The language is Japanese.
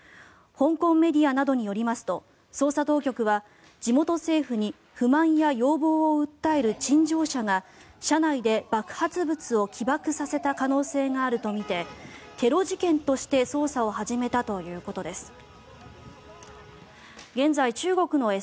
香港メディアなどによりますと捜査当局は地元政府に不満や要望を訴える陳情者が車内で爆発物を起爆させた可能性があるとみてテロ事件として捜査を始めたということです。